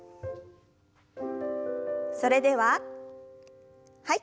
それでははい。